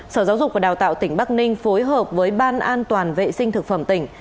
sở giáo dục và đào tạo tỉnh bắc ninh phối hợp với ban an toàn vệ sinh thực phẩm tỉnh